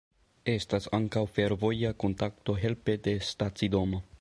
Estas ankaŭ fervoja kontakto helpe de stacidomo.